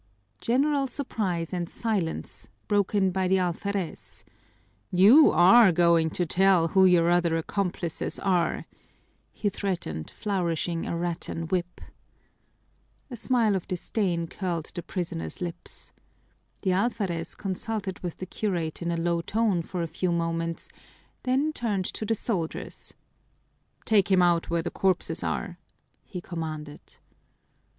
General surprise and silence, broken by the alferez. "You are going to tell who your other accomplices are," he threatened, flourishing a rattan whip. A smile of disdain curled the prisoner's lips. The alferez consulted with the curate in a low tone for a few moments, then turned to the soldiers. "Take him out where the corpses are," he commanded.